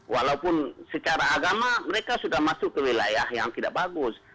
walaupun secara agama mereka sudah masuk ke wilayah yang tidak bagus